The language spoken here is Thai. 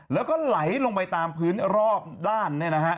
แล้วก็ไหลลงไปตามพื้นรอบด้าน